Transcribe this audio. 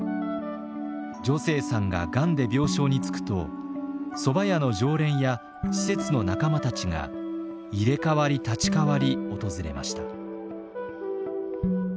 助成さんがガンで病床につくとそば屋の常連や施設の仲間たちが入れ代わり立ち代わり訪れました。